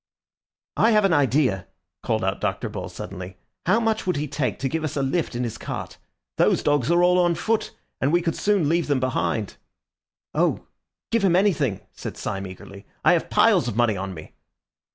"I have an idea," called out Dr. Bull suddenly; "how much would he take to give us a lift in his cart? Those dogs are all on foot, and we could soon leave them behind." "Oh, give him anything!" said Syme eagerly. "I have piles of money on me."